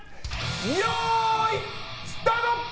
よーい、スタート！